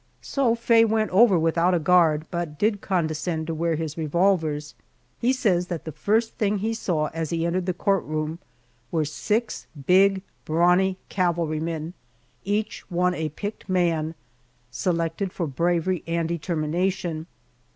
So Faye went over without a guard, but did condescend to wear his revolvers. He says that the first thing he saw as he entered the court room were six big, brawny cavalrymen, each one a picked man, selected for bravery and determination.